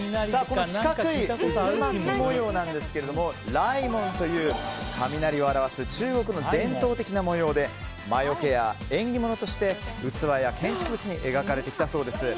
四角い渦巻き模様なんですが雷紋という雷を表す中国の伝統的な模様で魔よけや縁起物として器や建築物に描かれてきたそうです。